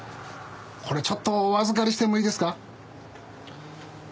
これちょっとお預かりしてもいいですか？